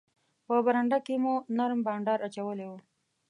په برنډه کې مو نرم بانډار اچولی وو.